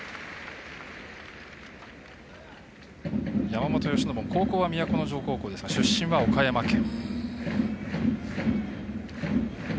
山本由伸も高校は都城東高校ですが出身は岡山県。